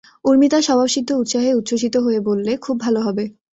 ঊর্মি তার স্বভাবসিদ্ধ উৎসাহে উচ্ছ্বসিত হয়ে বললে, খুব ভালো হবে।